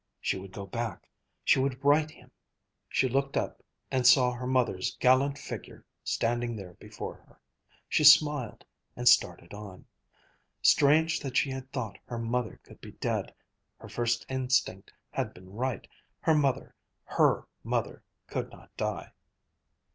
She would go back. She would write him.... She looked up and saw her mother's gallant figure standing there before her. She smiled, and started on. Strange that she had thought her mother could be dead. Her first instinct had been right. Her mother, her mother could not die.